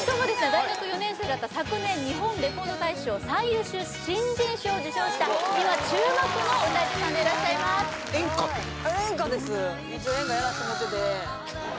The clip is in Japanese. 大学４年生だった昨年日本レコード大賞最優秀新人賞を受賞した今注目の歌い手さんでいらっしゃいます演歌ってこと？